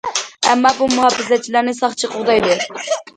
ئەمما بۇ مۇھاپىزەتچىلەرنى ساقچى قوغدايدۇ.